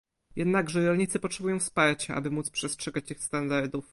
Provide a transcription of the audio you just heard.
Jednakże rolnicy potrzebują wsparcia, aby móc przestrzegać tych standardów